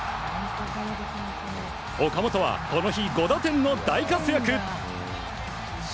岡本はこの日５打点の大活躍。